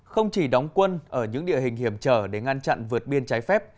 không chỉ đóng quân ở những địa hình hiểm trở để ngăn chặn vượt biên trái phép